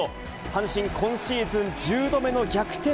阪神、今シーズン１０度目の逆転